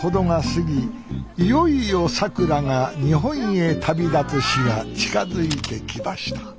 いよいよさくらが日本へ旅立つ日が近づいてきました